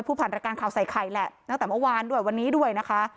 ผ่านรายการข่าวใส่ไข่แหละตั้งแต่เมื่อวานด้วยวันนี้ด้วยนะคะ